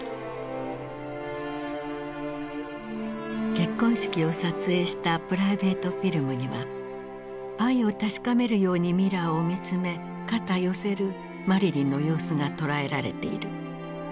結婚式を撮影したプライベートフィルムには愛を確かめるようにミラーを見つめ肩寄せるマリリンの様子がとらえられている。